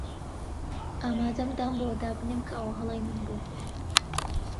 ئامادەم دان بەوەدا بنێم کە ئەوە هەڵەی من بوو.